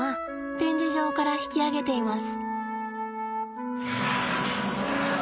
展示場から引き揚げています。